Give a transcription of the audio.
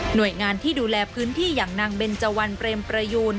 โดยงานที่ดูแลพื้นที่อย่างนางเบนเจวันเปรมประยูน